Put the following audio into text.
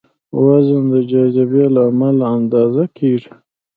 وزن د جاذبې له امله اندازه کېږي.